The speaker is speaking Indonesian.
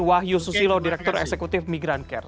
wahyu susilo direktur eksekutif migrancare